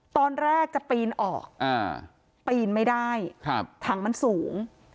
ตอนแรกจะปีนออกปีนไม่ได้ถังมันสูง